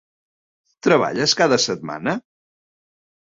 Treballes cada setmana?